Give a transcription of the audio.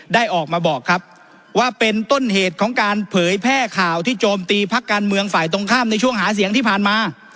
ได้ออกมาบอกครับว่าเป็นต้นเหตุของการเผยแพร่ข่าวที่โจมตีพักการเมืองฝ่ายตรงข้ามในช่วงหาเสียงที่ผ่านมา